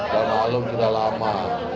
dan malam sudah lama